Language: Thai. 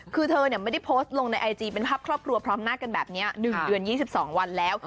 คือเธอไม่ได้โพสต์ลงในไอจีเป็นภาพครอบครัวพร้อมหน้ากันแบบนี้๑เดือน๒๒วันแล้ว